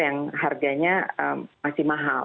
yang harganya masih mahal